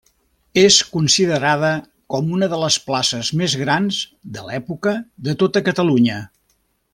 És considerada com una de les places més grans de l'època de tota Catalunya.